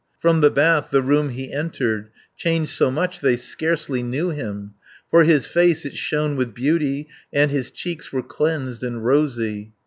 From the bath the room he entered, Changed so much they scarcely knew him, 330 For his face it shone with beauty, And his cheeks were cleansed and rosy.